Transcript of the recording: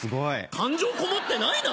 感情こもってないな！